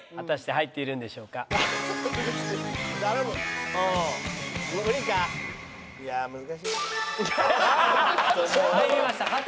入りました８位。